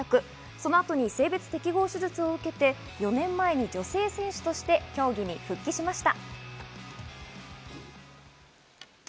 そのあとに性別適合手術を受けて４年前に女性選手として競技に復帰しました。